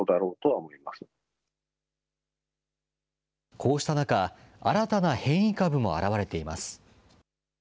こうした中、新たな変異株も現れています。